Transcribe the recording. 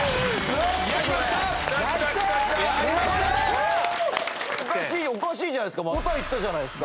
おかしいおかしいじゃないですか。